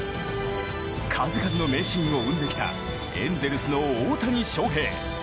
数々の名シーンを生んできたエンゼルスの大谷翔平。